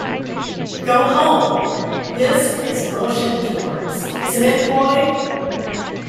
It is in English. "Go home", this is motion towards, isn't it, boy?